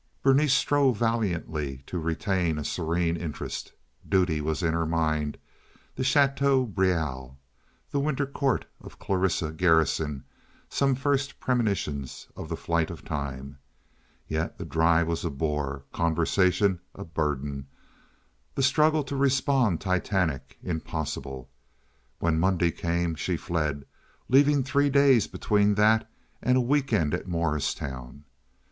Berenice strove valiantly to retain a serene interest. Duty was in her mind, the Chateau Brieul, the winter court of Clarissa Garrison, some first premonitions of the flight of time. Yet the drive was a bore, conversation a burden, the struggle to respond titanic, impossible. When Monday came she fled, leaving three days between that and a week end at Morristown.